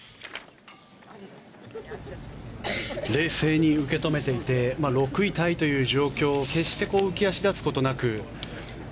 冷静に受け止めていて６位タイという状況を決して浮足立つことなく。